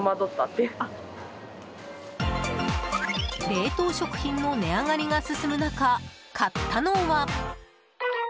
冷凍食品の値上がりが進む中買ったのは。